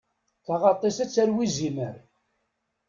Taɣaṭ-is ad d-tarew izimer.